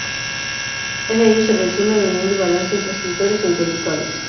Ese año se realizó una reunión de balance entre escritores e intelectuales.